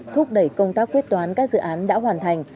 thúc đẩy công tác quyết toán các dự án đã hoàn thành